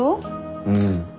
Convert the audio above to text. うん。